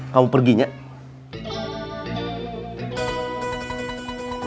kamu pergi nyadoy